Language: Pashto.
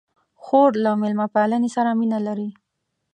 خور له میلمه پالنې سره مینه لري.